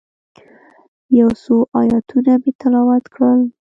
یو څو آیتونه مې تلاوت کړل.